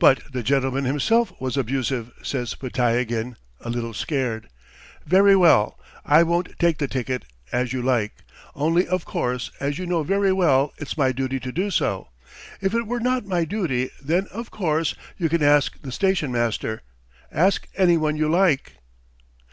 "But the gentleman himself was abusive!" says Podtyagin, a little scared. "Very well. ... I won't take the ticket ... as you like .... Only, of course, as you know very well, it's my duty to do so. ... If it were not my duty, then, of course. .. You can ask the station master ... ask anyone you like.